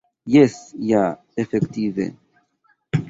Jes ja, efektive.